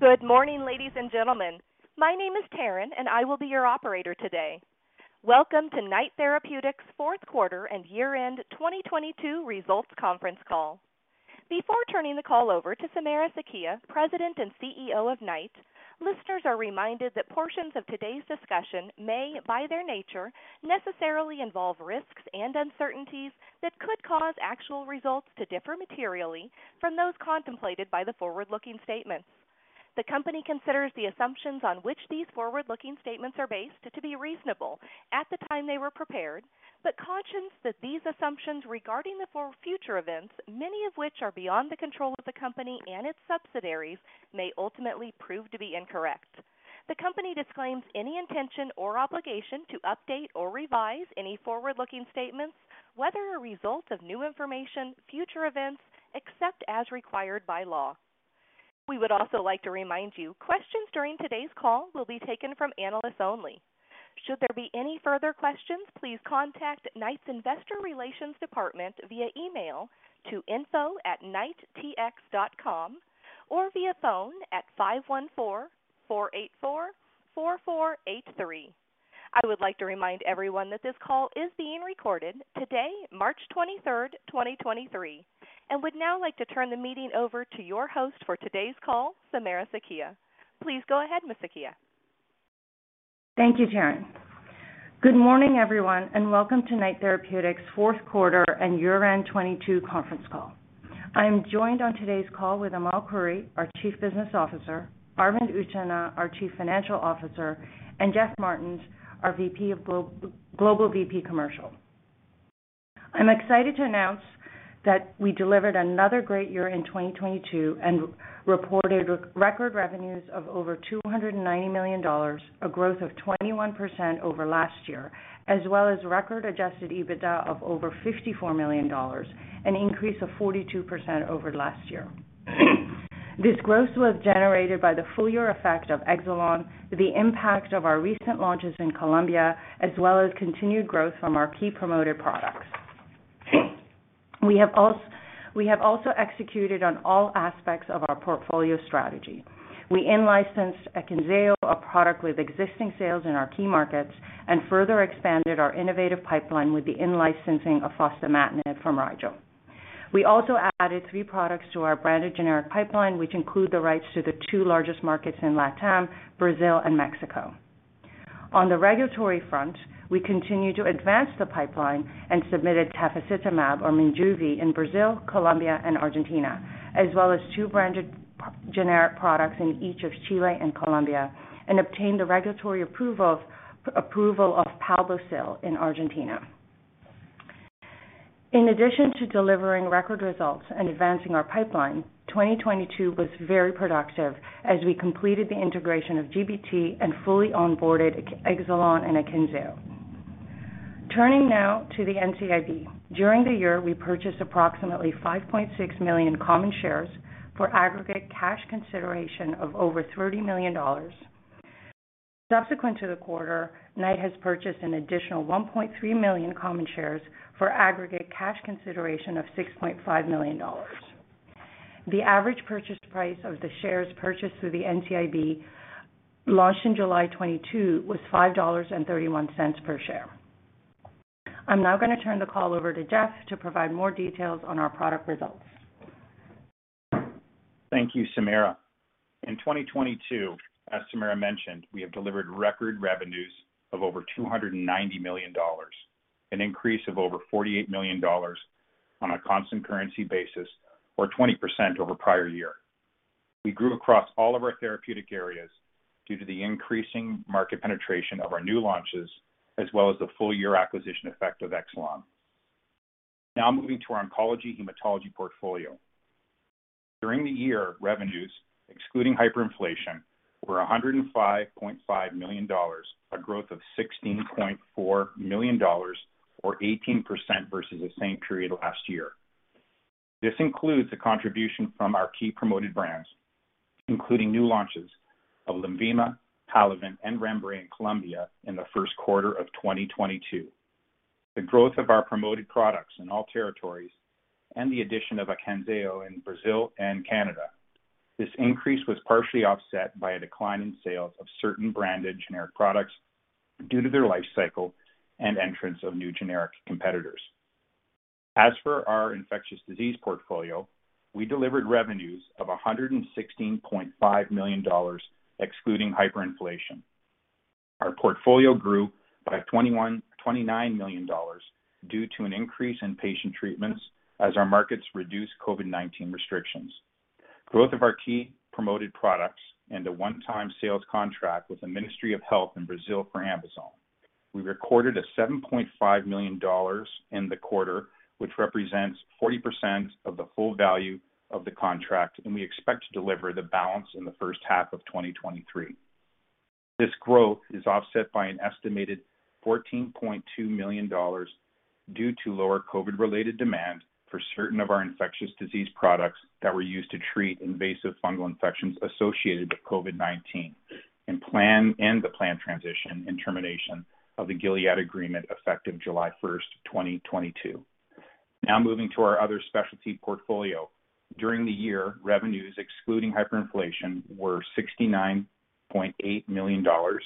Good morning, ladies and gentlemen. My name is Taryn, and I will be your operator today. Welcome to Knight Therapeutics fourth quarter and year-end 2022 results conference call. Before turning the call over to Samira Sakhia, President and CEO of Knight, listeners are reminded that portions of today's discussion may, by their nature, necessarily involve risks and uncertainties that could cause actual results to differ materially from those contemplated by the forward-looking statements. The company considers the assumptions on which these forward-looking statements are based to be reasonable at the time they were prepared, but cautions that these assumptions regarding future events, many of which are beyond the control of the company and its subsidiaries, may ultimately prove to be incorrect. The company disclaims any intention or obligation to update or revise any forward-looking statements, whether a result of new information, future events, except as required by law. We would also like to remind you, questions during today's call will be taken from analysts only. Should there be any further questions, please contact Knight's Investor Relations Department via email to info@knighttx.com or via phone at 514-484-4483. I would like to remind everyone that this call is being recorded today, March 23, 2023, and would now like to turn the meeting over to your host for today's call, Samira Sakhia. Please go ahead, Ms. Sakhia. Thank you, Taryn. Good morning, everyone, welcome to Knight Therapeutics fourth quarter and year-end 2022 conference call. I am joined on today's call with Amal Khouri, our Chief Business Officer, Arvind Utchanah, our Chief Financial Officer, Jeff Martens, our Global VP Commercial. I'm excited to announce that we delivered another great year in 2022 and reported record revenues of over $290 million, a growth of 21% over last year, as well as record adjusted EBITDA of over $54 million, an increase of 42% over last year. This growth was generated by the full year effect of Exelon, the impact of our recent launches in Colombia, as well as continued growth from our key promoted products. We have also executed on all aspects of our portfolio strategy. We in-licensed AKYNZEO, a product with existing sales in our key markets, further expanded our innovative pipeline with the in-licensing of fostamatinib from Rigel. We also added three products to our branded generic pipeline, which include the rights to the two largest markets in LATAM, Brazil and Mexico. On the regulatory front, we continue to advance the pipeline, submitted tafasitamab or Minjuvi in Brazil, Colombia, and Argentina, as well as two branded generic products in each of Chile and Colombia, obtained the regulatory approval of Palbociclib in Argentina. In addition to delivering record results and advancing our pipeline, 2022 was very productive as we completed the integration of GBT and fully onboarded Exelon and AKYNZEO. Turning now to the NCIB. During the year, we purchased approximately 5.6 million common shares for aggregate cash consideration of over 30 million dollars. Subsequent to the quarter, Knight has purchased an additional 1.3 million common shares for aggregate cash consideration of 6.5 million dollars. The average purchase price of the shares purchased through the NCIB launched in July 2022 was 5.31 dollars per share. I'm now gonna turn the call over to Jeff to provide more details on our product results. Thank you, Samira. In 2022, as Samira mentioned, we have delivered record revenues of over 290 million dollars, an increase of over 48 million dollars on a constant currency basis, or 20% over prior year. We grew across all of our therapeutic areas due to the increasing market penetration of our new launches, as well as the full year acquisition effect of Exelon. Moving to our oncology hematology portfolio. During the year, revenues, excluding hyperinflation, were 105.5 million dollars, a growth of 16.4 million dollars or 18% versus the same period last year. This includes a contribution from our key promoted brands, including new launches of Lenvima, Halaven, and Rembre in Colombia in the first quarter of 2022. The growth of our promoted products in all territories and the addition of AKYNZEO in Brazil and Canada. This increase was partially offset by a decline in sales of certain branded generic products due to their life cycle and entrance of new generic competitors. We delivered revenues of 116.5 million dollars, excluding hyperinflation. Our portfolio grew by 29 million dollars due to an increase in patient treatments as our markets reduced COVID-19 restrictions, growth of our key promoted products and a one-time sales contract with the Ministry of Health in Brazil for AmBisome. We recorded 7.5 million dollars in the quarter, which represents 40% of the full value of the contract, and we expect to deliver the balance in the first half of 2023. This growth is offset by an estimated 14.2 million dollars due to lower COVID-related demand for certain of our infectious disease products that were used to treat invasive fungal infections associated with COVID-19 and the planned transition and termination of the Gilead agreement effective July 1, 2022. Moving to our other specialty portfolio. During the year, revenues excluding hyperinflation were 69.8 million dollars,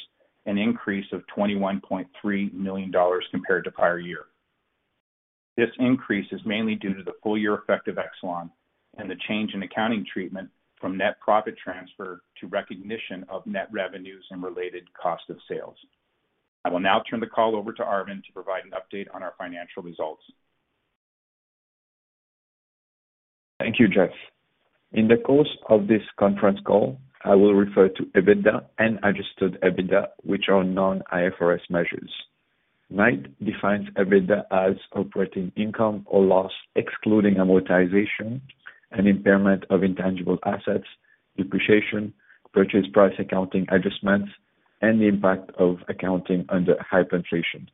an increase of 21.3 million dollars compared to prior year. This increase is mainly due to the full year effect of Exelon and the change in accounting treatment from net profit transfer to recognition of net revenues and related cost of sales. I will now turn the call over to Arvind to provide an update on our financial results. Thank you, Jeff. In the course of this conference call, I will refer to EBITDA and adjusted EBITDA, which are non-IFRS measures. Knight defines EBITDA as operating income or loss, excluding amortization and impairment of intangible assets, depreciation, purchase price, accounting adjustments, and the impact of accounting under hyperinflation,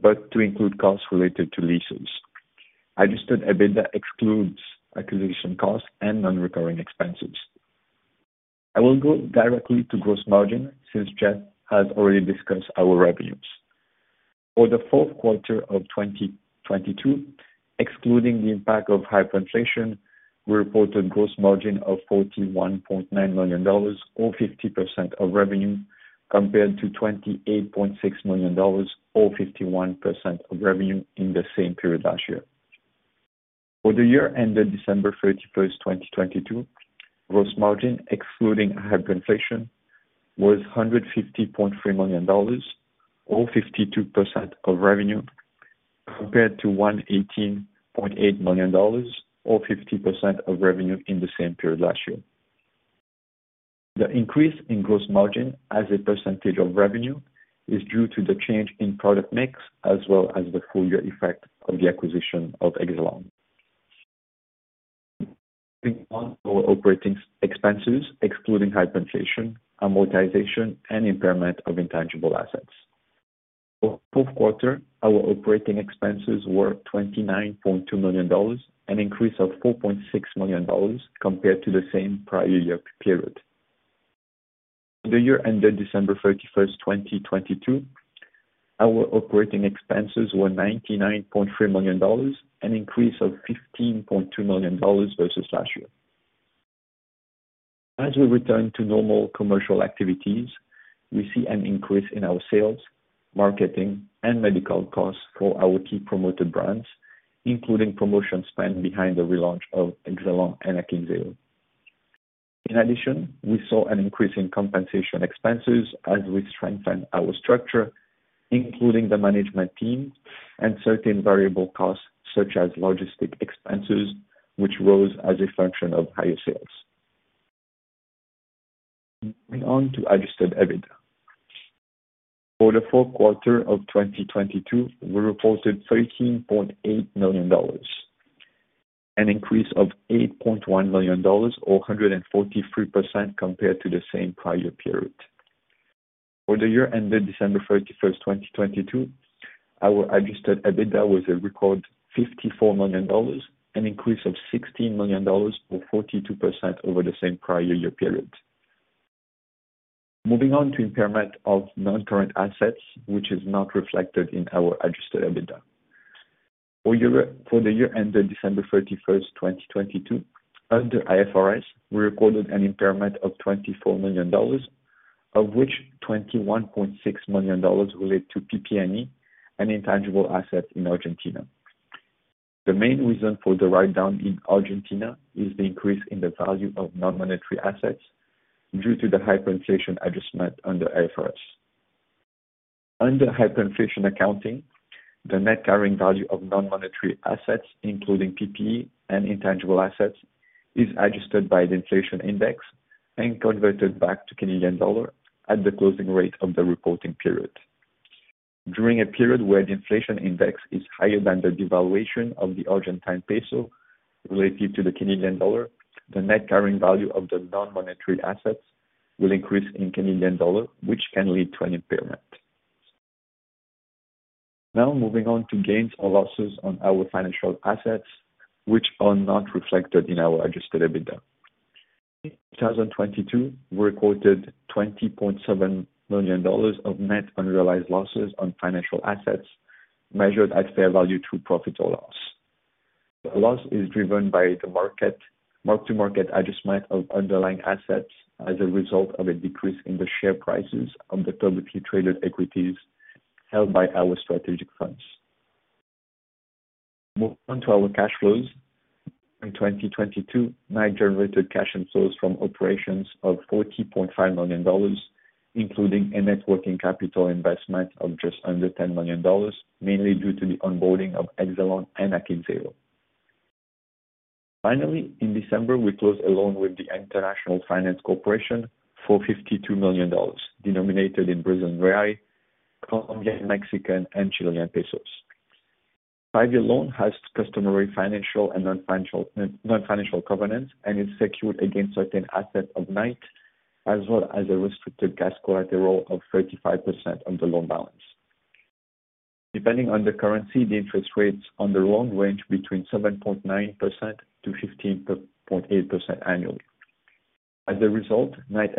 but to include costs related to leases. Adjusted EBITDA excludes acquisition costs and non-recurring expenses. I will go directly to gross margin since Jeff has already discussed our revenues. For the fourth quarter of 2022, excluding the impact of hyperinflation, we reported gross margin of $41.9 million, or 50% of revenue, compared to $28.6 million or 51% of revenue in the same period last year. For the year ended December 31, 2022, gross margin, excluding hyperinflation, was 150.3 million dollars or 52% of revenue, compared to 118.8 million dollars or 50% of revenue in the same period last year. The increase in gross margin as a percentage of revenue is due to the change in product mix as well as the full year effect of the acquisition of Exelon. Moving on to our operating expenses, excluding hyperinflation, amortization and impairment of intangible assets. For fourth quarter, our operating expenses were 29.2 million dollars, an increase of 4.6 million dollars compared to the same prior year period. For the year ended December 31, 2022, our operating expenses were 99.3 million dollars, an increase of 15.2 million dollars versus last year. As we return to normal commercial activities, we see an increase in our sales, marketing and medical costs for our key promoted brands, including promotion spend behind the relaunch of Exelon and AKYNZEO. In addition, we saw an increase in compensation expenses as we strengthen our structure, including the management team and certain variable costs such as logistic expenses, which rose as a function of higher sales. Moving on to adjusted EBITDA. For the fourth quarter of 2022, we reported CAD 13.8 million, an increase of 8.1 million dollars or 143% compared to the same prior period. For the year ended December thirty-first, 2022, our adjusted EBITDA was a record 54 million dollars, an increase of 16 million dollars or 42% over the same prior year period. Moving on to impairment of non-current assets, which is not reflected in our adjusted EBITDA. For the year ended December 31, 2022, under IFRS, we recorded an impairment of 24 million dollars, of which 21.6 million dollars relate to PP&E and intangible assets in Argentina. The main reason for the write down in Argentina is the increase in the value of non-monetary assets due to the hyperinflation adjustment under IFRS. Under hyperinflation accounting, the net carrying value of non-monetary assets, including PPE and intangible assets, is adjusted by the inflation index and converted back to Canadian dollar at the closing rate of the reporting period. During a period where the inflation index is higher than the devaluation of the Argentine peso relative to the Canadian dollar, the net carrying value of the non-monetary assets will increase in Canadian dollar, which can lead to an impairment. Now moving on to gains or losses on our financial assets, which are not reflected in our adjusted EBITDA. In 2022, we recorded CAD 20.7 million of net unrealized losses on financial assets measured at fair value to profit or loss. The loss is driven by the market-to-market adjustment of underlying assets as a result of a decrease in the share prices of the publicly traded equities held by our strategic funds. Moving on to our cash flows. In 2022, Knight generated cash inflows from operations of 40.5 million dollars, including a net working capital investment of just under 10 million dollars, mainly due to the onboarding of Exelon and AKYNZEO. Finally, in December, we closed a loan with the International Finance Corporation for 52 million dollars, denominated in Brazilian real, Colombian, Mexican, and Chilean pesos. Five-year loan has customary financial and non-financial covenants and is secured against certain assets of Knight as well as a restricted cash collateral of 35% of the loan balance. Depending on the currency, the interest rates on the loan range between 7.9%-15.8% annually. Knight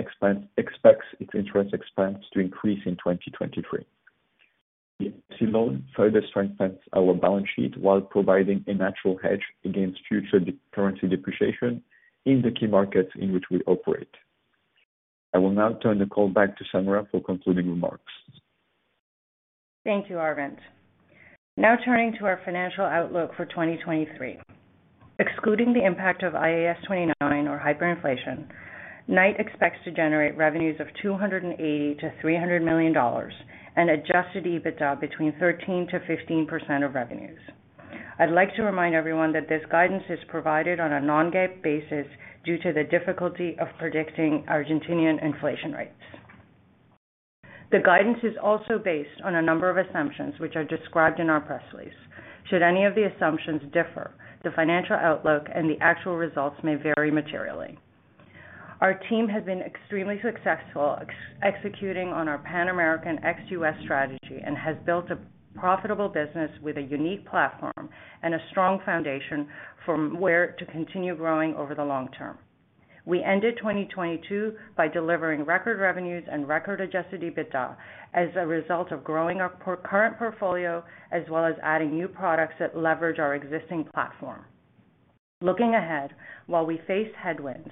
expects its interest expense to increase in 2023. The loan further strengthens our balance sheet while providing a natural hedge against future currency depreciation in the key markets in which we operate. I will now turn the call back to Samira for concluding remarks. Thank you, Arvind. Now turning to our financial outlook for 2023. Excluding the impact of IAS 29 or hyperinflation, Knight expects to generate revenues of $280 million-$300 million and adjusted EBITDA between 13%-15% of revenues. I'd like to remind everyone that this guidance is provided on a non-GAAP basis due to the difficulty of predicting Argentinian inflation rates. The guidance is also based on a number of assumptions which are described in our press release. Should any of the assumptions differ, the financial outlook and the actual results may vary materially. Our team has been extremely successful executing on our Pan American ex-U.S. strategy and has built a profitable business with a unique platform and a strong foundation from where to continue growing over the long term. We ended 2022 by delivering record revenues and record adjusted EBITDA as a result of growing our current portfolio as well as adding new products that leverage our existing platform. Looking ahead, while we face headwinds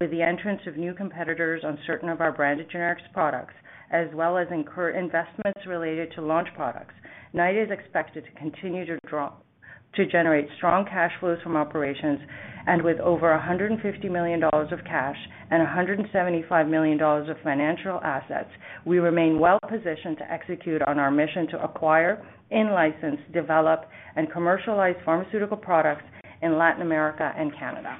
with the entrance of new competitors on certain of our branded generics products, as well as incur investments related to launch products, Knight is expected to continue to generate strong cash flows from operations. With over 150 million dollars of cash and 175 million dollars of financial assets, we remain well positioned to execute on our mission to acquire, in-license, develop, and commercialize pharmaceutical products in Latin America and Canada.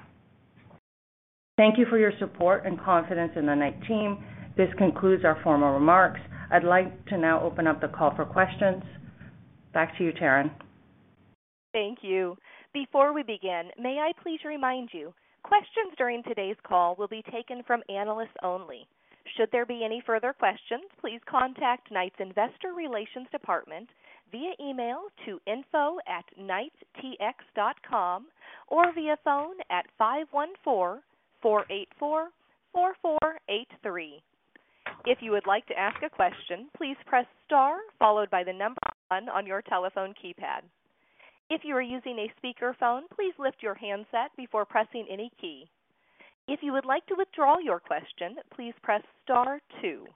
Thank you for your support and confidence in the Knight team. This concludes our formal remarks. I'd like to now open up the call for questions. Back to you, Taryn. Thank you. Before we begin, may I please remind you, questions during today's call will be taken from analysts only. Should there be any further questions, please contact Knight's Investor Relations Department via email to info@knighttx.com or via phone at 514-484-4483. If you would like to ask a question, please press star followed by one on your telephone keypad. If you are using a speakerphone, please lift your handset before pressing any key. If you would like to withdraw your question, please press star two.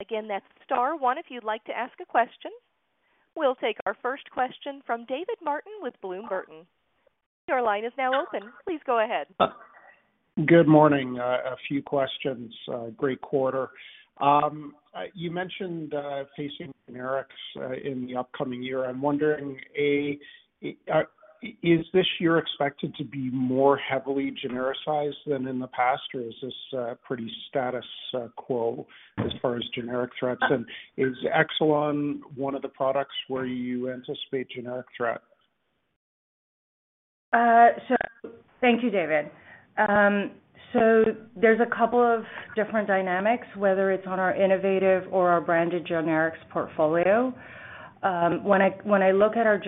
Again, that's star 1 if you'd like to ask a question. We'll take our first question from David Martin with Bloom Burton. Sir, your line is now open. Please go ahead. Good morning. A few questions. Great quarter. You mentioned facing generics in the upcoming year. I'm wondering, is this year expected to be more heavily genericized than in the past, or is this pretty status quo as far as generic threats? Is Exelon one of the products where you anticipate generic threats? Thank you, David. There's a couple of different dynamics, whether it's on our innovative or our branded generics portfolio. When I look at our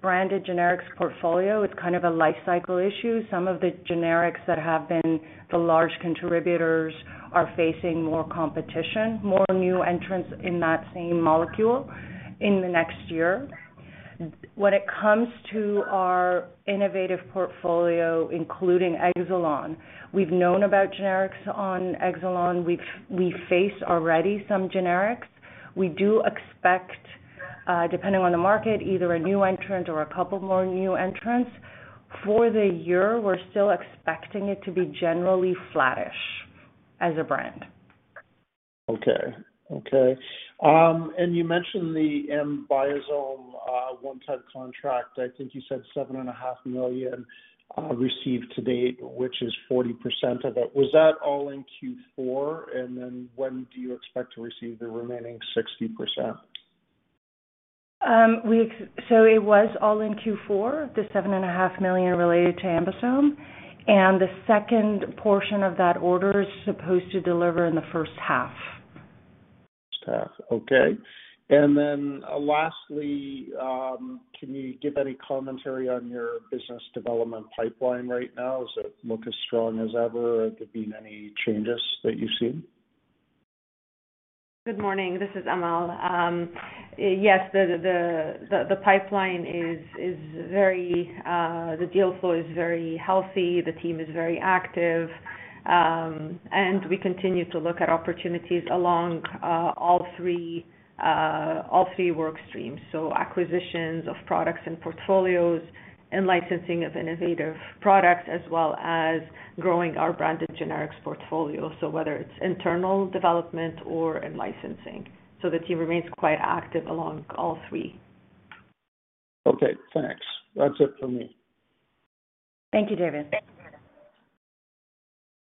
branded generics portfolio, it's kind of a life cycle issue. Some of the generics that have been the large contributors are facing more competition, more new entrants in that same molecule in the next year. When it comes to our innovative portfolio, including Exelon, we've known about generics on Exelon. We face already some generics. We do expect, depending on the market, either a new entrant or a couple more new entrants. For the year, we're still expecting it to be generally flattish as a brand. Okay. You mentioned the AmBisome one-time contract. I think you said seven and a half million received to date, which is 40% of it. Was that all in Q4? Then when do you expect to receive the remaining 60%? It was all in Q4, the 7.5 million related to AmBisome, and the second portion of that order is supposed to deliver in the first half. First half. Okay. Lastly, can you give any commentary on your business development pipeline right now? Does it look as strong as ever? Have there been any changes that you've seen? Good morning. This is Amal. Yes, the pipeline is very, the deal flow is very healthy. The team is very active. We continue to look at opportunities along all three work streams. Acquisitions of products and portfolios and licensing of innovative products, as well as growing our branded generics portfolio. Whether it's internal development or in licensing. The team remains quite active along all three. Okay, thanks. That's it for me. Thank you, David.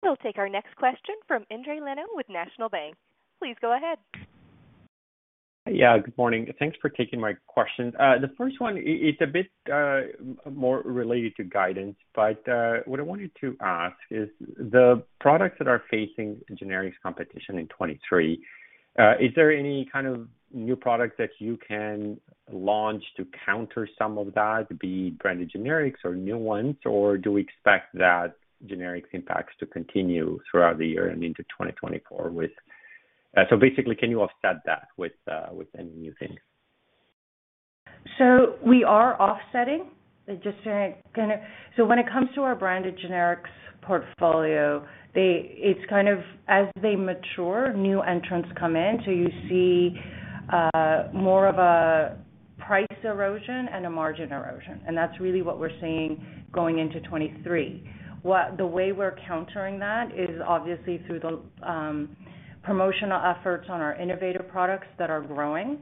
We'll take our next question from Endri Leno with National Bank. Please go ahead. Good morning. Thanks for taking my question. The first one is a bit more related to guidance, what I wanted to ask is the products that are facing generics competition in 2023, is there any kind of new product that you can launch to counter some of that, be it branded generics or new ones, or do we expect that generics impacts to continue throughout the year and into 2024? Basically, can you offset that with any new things? We are offsetting. When it comes to our branded generics portfolio, it's kind of as they mature, new entrants come in. You see more of a price erosion and a margin erosion. That's really what we're seeing going into 23. The way we're countering that is obviously through the promotional efforts on our innovative products that are growing.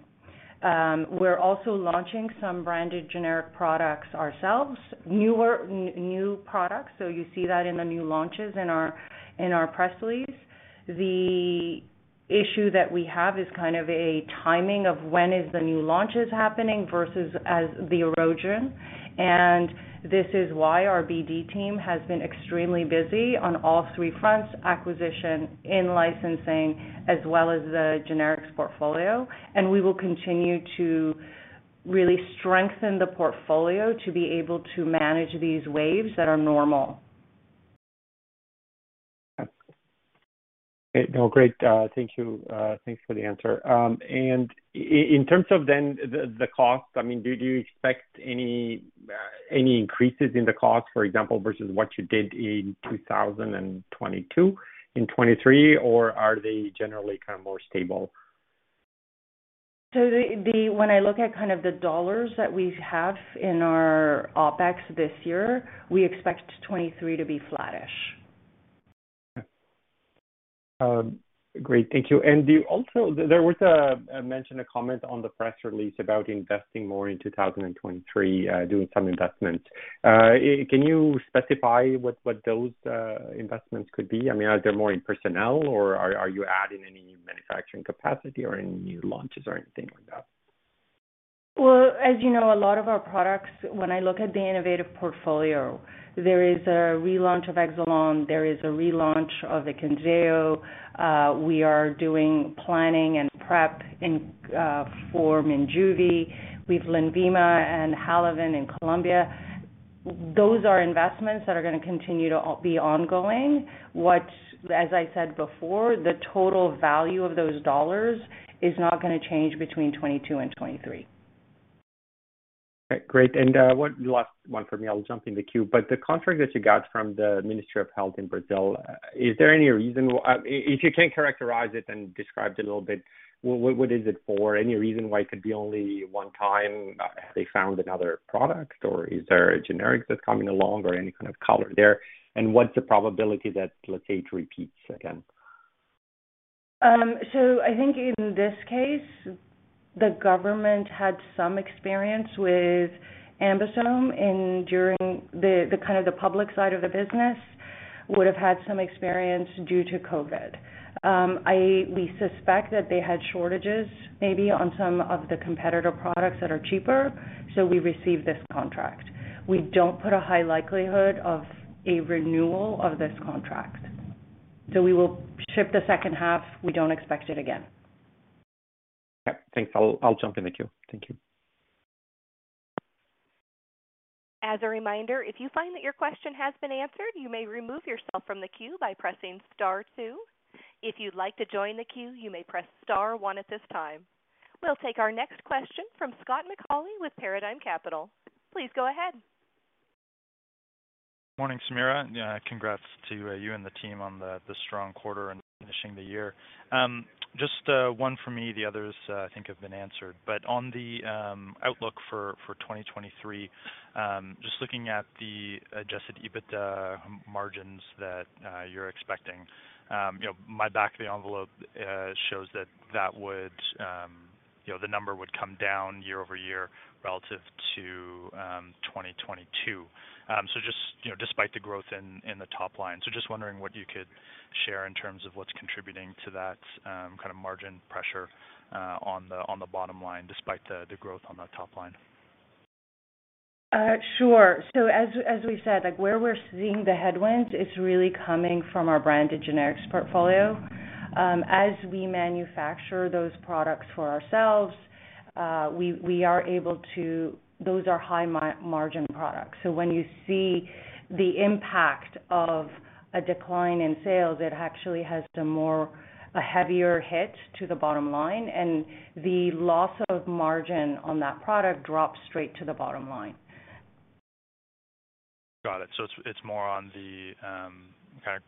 We're also launching some branded generic products ourselves, new products. You see that in the new launches in our press release. The issue that we have is kind of a timing of when is the new launches happening versus as the erosion. This is why our BD team has been extremely busy on all three fronts: acquisition, in-licensing, as well as the generics portfolio. We will continue to really strengthen the portfolio to be able to manage these waves that are normal. Okay. No, great. Thank you. Thanks for the answer. In terms of the cost, I mean, do you expect any increases in the cost, for example, versus what you did in 2022, in 2023, or are they generally kind of more stable? The when I look at kind of the dollars that we have in our OpEx this year, we expect 2023 to be flattish. Great. Thank you. There was a mention, a comment on the press release about investing more in 2023, doing some investments. Can you specify what those investments could be? I mean, are they more in personnel, or are you adding any manufacturing capacity or any new launches or anything like that? Well, as you know, a lot of our products, when I look at the innovative portfolio, there is a relaunch of Exelon, there is a relaunch of AKYNZEO. We are doing planning and prep for Minjuvi. We've Lenvima and Halaven in Colombia. Those are investments that are gonna continue to be ongoing. As I said before, the total value of those dollars is not gonna change between 2022 and 2023. Okay, great. And one last one for me, I'll jump in the queue. The contract that you got from the Ministry of Health in Brazil, is there any reason... if you can characterize it and describe it a little bit, what is it for? Any reason why it could be only one time? Have they found another product, or is there a generic that's coming along or any kind of color there? What's the probability that Letate repeats again? I think in this case, the government had some experience with AmBisome during the kind of the public side of the business, would have had some experience due to COVID. We suspect that they had shortages maybe on some of the competitor products that are cheaper, so we received this contract. We don't put a high likelihood of a renewal of this contract. We will ship the second half. We don't expect it again. Yeah. Thanks. I'll jump in the queue. Thank you. As a reminder, if you find that your question has been answered, you may remove yourself from the queue by pressing star two. If you'd like to join the queue, you may press star one at this time. We'll take our next question from Scott McAuley with Paradigm Capital. Please go ahead. Morning, Samira. Yeah, congrats to you and the team on the strong quarter and finishing the year. Just one for me. The others, I think, have been answered. On the outlook for 2023, just looking at the adjusted EBITDA margins that you're expecting, you know, my back of the envelope shows that that would, you know, the number would come down year-over-year relative to 2022. Just, you know, despite the growth in the top line. Just wondering what you could share in terms of what's contributing to that kind of margin pressure on the bottom line despite the growth on the top line. Sure. As, as we said, like where we're seeing the headwinds is really coming from our branded generics portfolio. As we manufacture those products for ourselves, those are high-margin products. When you see the impact of a decline in sales, it actually has a more, a heavier hit to the bottom line, and the loss of margin on that product drops straight to the bottom line. Got it. I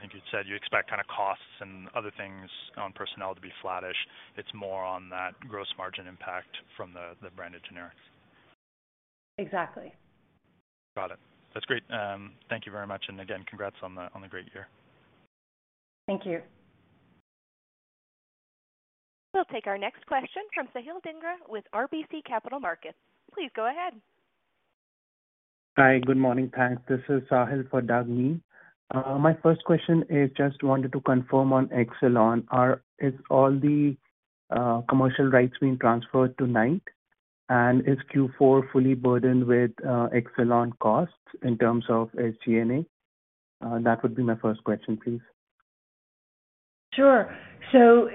think you said you expect kind of costs and other things on personnel to be flattish. It's more on that gross margin impact from the branded generics. Exactly. Got it. That's great. Thank you very much. Again, congrats on the, on the great year. Thank you. We'll take our next question from Sahil Dhingra with RBC Capital Markets. Please go ahead. Hi, good morning. Thanks. This is Sahil for Douglas Miehm. My first question is just wanted to confirm on Exelon. Is all the commercial rights being transferred to Knight? Is Q4 fully burdened with Exelon costs in terms of SG&A? That would be my first question, please. Sure.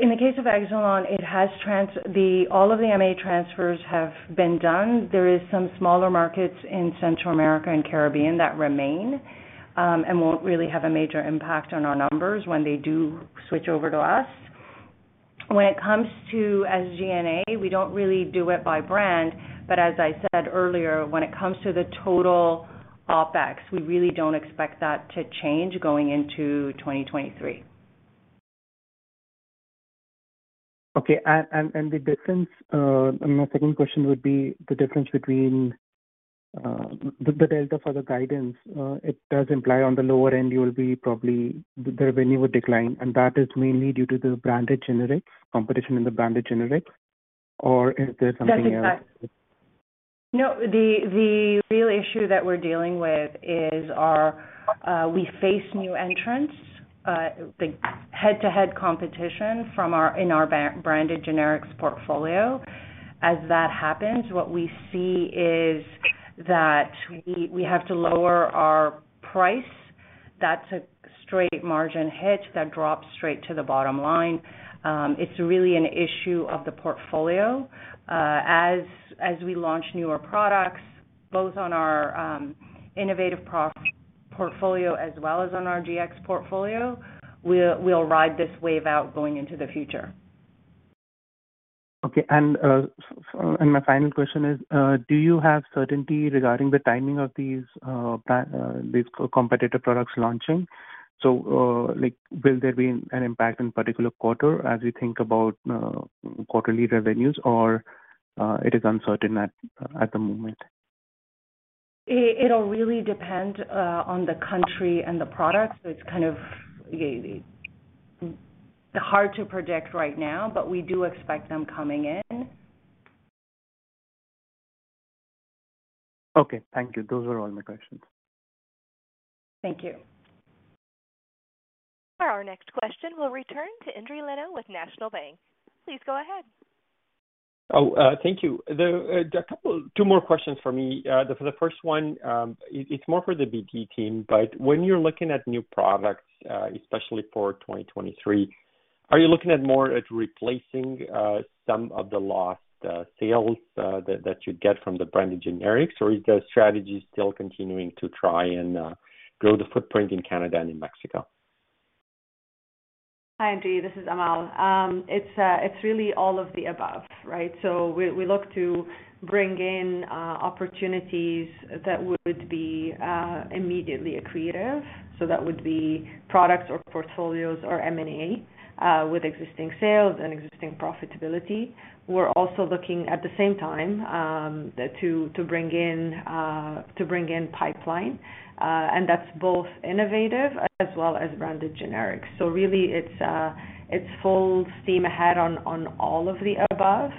In the case of Exelon, it has the, all of the MA transfers have been done. There is some smaller markets in Central America and Caribbean that remain, and won't really have a major impact on our numbers when they do switch over to us. When it comes to SG&A, we don't really do it by brand, but as I said earlier, when it comes to the total OpEx, we really don't expect that to change going into 2023. Okay. The difference, my second question would be the difference between the delta for the guidance, it does imply on the lower end, you will be probably the revenue will decline, and that is mainly due to the branded generics, competition in the branded generics, or is there something else? That's it. No, the real issue that we're dealing with is our, we face new entrants, the head-to-head competition from our branded generics portfolio. As that happens, what we see is that we have to lower our price. That's a straight margin hit that drops straight to the bottom line. It's really an issue of the portfolio. As we launch newer products, both on our innovative portfolio as well as on our GX portfolio, we'll ride this wave out going into the future. My final question is, do you have certainty regarding the timing of these competitive products launching? Like, will there be an impact in particular quarter as you think about quarterly revenues or it is uncertain at the moment? It'll really depend on the country and the product. It's kind of, yeah, hard to predict right now, but we do expect them coming in. Okay, thank you. Those are all my questions. Thank you. Our next question will return to Endri Leno with National Bank. Please go ahead. Thank you. Two more questions for me. The first one, it's more for the BG team, but when you're looking at new products, especially for 2023, are you looking at more at replacing some of the lost sales that you get from the branded generics? Or is the strategy still continuing to try and grow the footprint in Canada and in Mexico? Hi, Endri, this is Amal. It's really all of the above, right? We look to bring in opportunities that would be immediately accretive. That would be products or portfolios or M&A with existing sales and existing profitability. We're also looking at the same time to bring in pipeline, and that's both innovative as well as branded generics. Really it's full steam ahead on all of the above.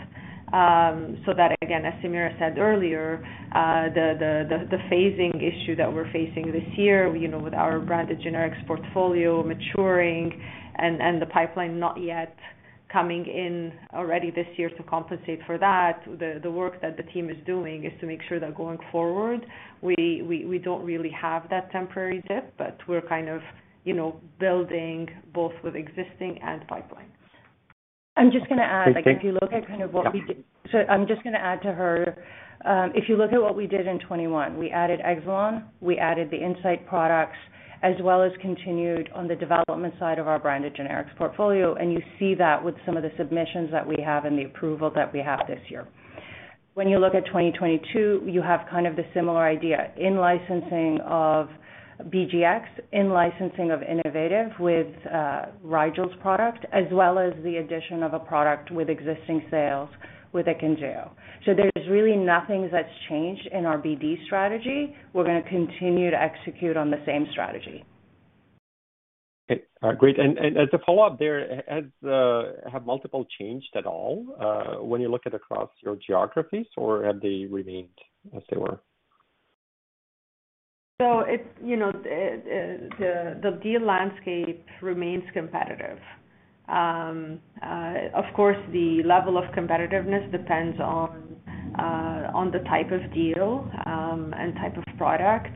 That again, as Samira said earlier, the phasing issue that we're facing this year, you know, with our branded generics portfolio maturing and the pipeline not yet coming in already this year to compensate for that, the work that the team is doing is to make sure that going forward, we don't really have that temporary dip, but we're kind of, you know, building both with existing and pipeline. I'm just gonna add, like if you look at kind of what we did. I'm just gonna add to her. If you look at what we did in 2021, we added Exelon, we added the Incyte products, as well as continued on the development side of our branded generics portfolio, and you see that with some of the submissions that we have and the approval that we have this year. When you look at 2022, you have kind of the similar idea in licensing of BG, in licensing of innovative with Rigel's product, as well as the addition of a product with existing sales with AKYNZEO. There's really nothing that's changed in our BD strategy. We're gonna continue to execute on the same strategy. Okay. Great. As a follow-up, has have multiple changed at all, when you look at across your geographies, or have they remained as they were? The deal landscape remains competitive. Of course, the level of competitiveness depends on the type of deal and type of product.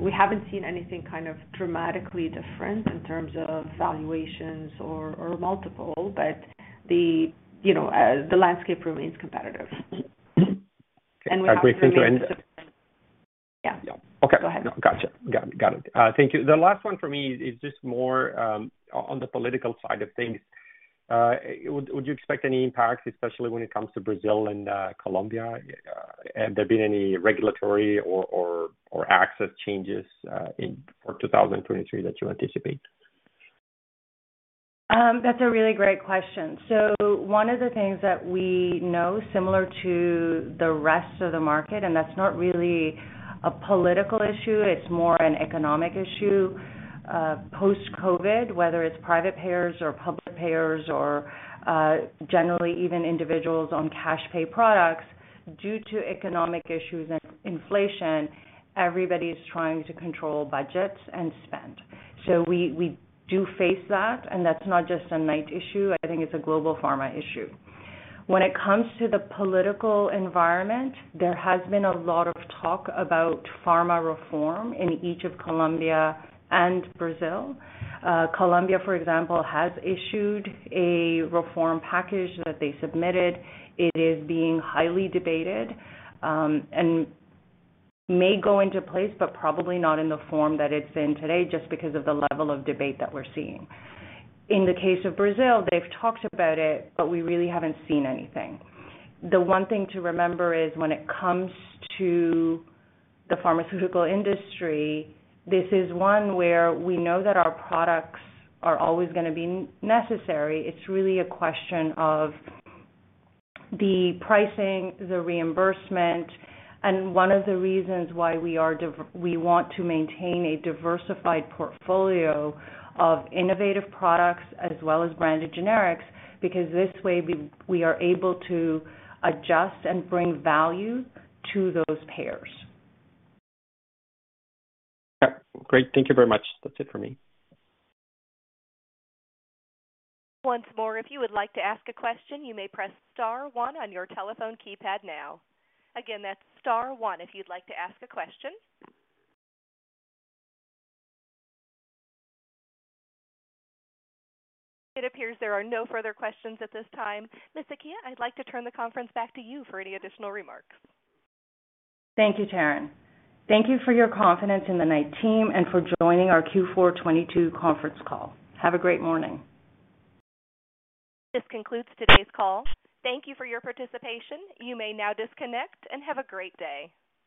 We haven't seen anything kind of dramatically different in terms of valuations or multiple, but, you know, the landscape remains competitive. Okay. A great thing to end it. Go ahead. Got it. Thank you. The last one for me is just more on the political side of things. Would you expect any impacts, especially when it comes to Brazil and Colombia? Have there been any regulatory or access changes in for 2023 that you anticipate? That's a really great question. One of the things that we know similar to the rest of the market, and that's not really a political issue, it's more an economic issue, post-COVID, whether it's private payers or public payers or, generally even individuals on cash pay products, due to economic issues and inflation, everybody's trying to control budgets and spend. We do face that, and that's not just a Knight issue. I think it's a global pharma issue. When it comes to the political environment, there has been a lot of talk about pharma reform in each of Colombia and Brazil. Colombia, for example, has issued a reform package that they submitted. It is being highly debated, and may go into place, but probably not in the form that it's in today just because of the level of debate that we're seeing. In the case of Brazil, they've talked about it, we really haven't seen anything. The one thing to remember is when it comes to the pharmaceutical industry, this is one where we know that our products are always gonna be necessary. It's really a question of the pricing, the reimbursement, one of the reasons why we want to maintain a diversified portfolio of innovative products as well as branded generics, this way we are able to adjust and bring value to those payers. Okay, great. Thank you very much. That's it for me. Once more, if you would like to ask a question, you may press star one on your telephone keypad now. That's star one if you'd like to ask a question. It appears there are no further questions at this time. Ms. Sakhia, I'd like to turn the conference back to you for any additional remarks. Thank you, Taryn. Thank you for your confidence in the Knight team and for joining our Q4 2022 conference call. Have a great morning. This concludes today's call. Thank you for your participation. You may now disconnect and have a great day.